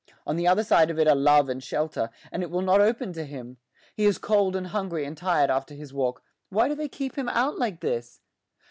On the other side of it are love and shelter, and it will not open to him. He is cold and hungry and tired after his walk; why do they keep him out like this?